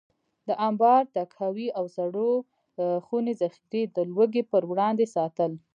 د انبار، تحکاوي او سړو خونې ذخیرې د لوږې پر وړاندې ساتل.